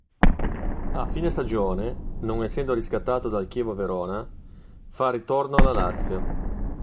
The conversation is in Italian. A fine stagione, non essendo riscattato dal ChievoVerona, fa ritorno alla Lazio.